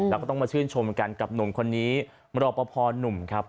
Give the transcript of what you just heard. แล้วก็ต้องมาชื่นชมกันกับหนุ่มคนนี้รอปภหนุ่มครับ